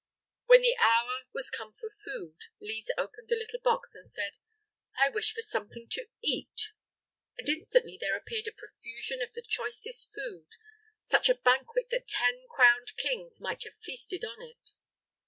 When the hour was come for food, Lise opened the little box and said: "I wish for something to eat." And instantly there appeared a profusion of the choicest food; such a banquet that ten crowned kings might have feasted on it.